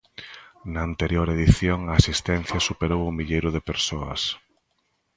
Na anterior edición a asistencia superou o milleiro de persoas.